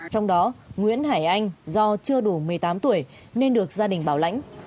trong đó nguyễn hải anh do chưa đủ một mươi tám tuổi nên được gia đình bảo lãnh